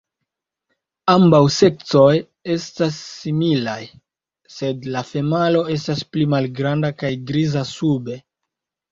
Ambaŭ seksoj estas similaj, sed la femalo estas pli malgranda kaj griza sube.